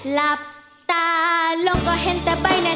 หลับตาลงก็เห็นแต่